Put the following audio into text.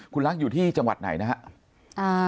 คุณรักอยู่ที่จังหวัดไหนนะครับ